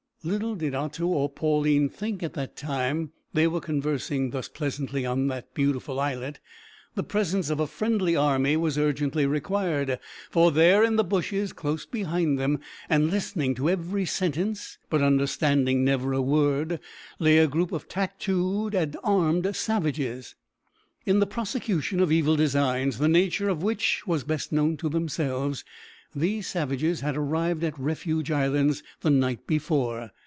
Little did Otto or Pauline think that at the very time they were conversing thus pleasantly on that beautiful islet, the presence of a friendly army was urgently required, for there in the bushes close behind them listening to every sentence, but understanding never a word, lay a group of tattooed and armed savages! In the prosecution of evil designs, the nature of which was best known to themselves, these savages had arrived at Refuge Islands the night before.